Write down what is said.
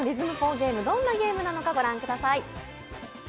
ゲーム、どんなゲームなのかご覧ください。